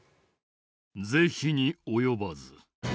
是非に及ばず。